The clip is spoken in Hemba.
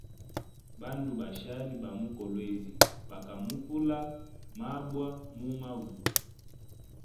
Bandu basheli ba mu Kolwezi bakamufula mabwa mumavu.